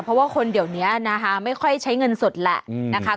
เพราะว่าคนเดี๋ยวนี้นะคะไม่ค่อยใช้เงินสดแหละนะคะ